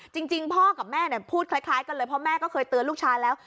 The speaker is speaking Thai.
จริงพ่อกับแม่พูดคล้ายกันเลยเพราะแม่ก็เคยเตือนลูกชายแล้ว